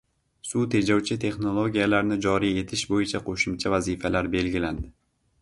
Suv tejovchi texnologiyalarni joriy etish bo‘yicha qo‘shimcha vazifalar belgilandi